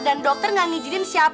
dan dokter gak ngijinin siapapun